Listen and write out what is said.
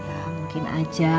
ya mungkin aja